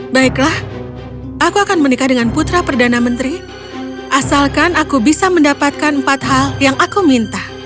baiklah aku akan menikah dengan putra perdana menteri asalkan aku bisa mendapatkan empat hal yang aku minta